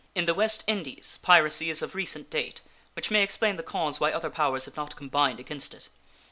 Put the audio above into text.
In the West Indies piracy is of recent date, which may explain the cause why other powers have not combined against it.